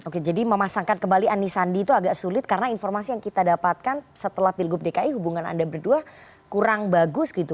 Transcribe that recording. oke jadi memasangkan kembali anies sandi itu agak sulit karena informasi yang kita dapatkan setelah pilgub dki hubungan anda berdua kurang bagus gitu